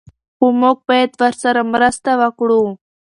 خو موږ باید ورسره مرسته وکړو.